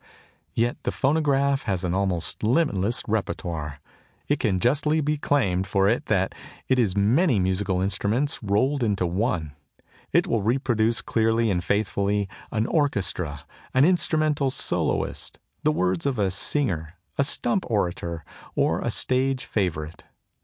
Yet the phonograph has an almost limitless répertoire. It can justly be claimed for it that it is many musical instruments rolled into one. It will reproduce clearly and faithfully an orchestra, an instrumental soloist, the words of a singer, a stump orator, or a stage favourite.